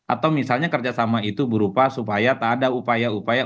atau misalnya kerjasama itu berupa supaya tak ada upaya upaya